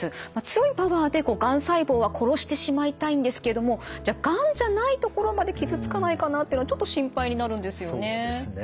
強いパワーでがん細胞は殺してしまいたいんですけどもじゃがんじゃない所まで傷つかないかなっていうのはちょっと心配になるんですよね。